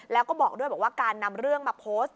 แล้วก็บอกด้วยบอกว่าการนำเรื่องมาโพสต์